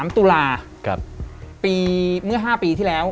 ๓ตุลาปีเมื่อ๕ปีที่แล้ว